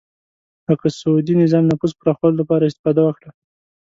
لکه سعودي نظام نفوذ پراخولو لپاره استفاده وکړه